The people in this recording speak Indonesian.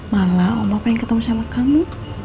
malah allah pengen ketemu sama kamu